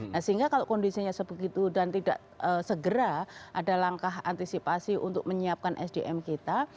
nah sehingga kalau kondisinya sebegitu dan tidak segera ada langkah antisipasi untuk menyiapkan sdm kita